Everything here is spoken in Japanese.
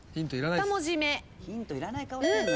２文字目。